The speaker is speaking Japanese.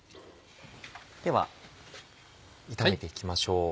では炒めて行きましょう。